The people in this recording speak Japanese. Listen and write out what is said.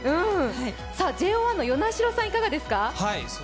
ＪＯ１の與那城さんいかがですか。